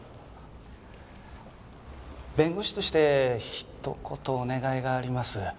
弁護士としてひと言お願いがあります。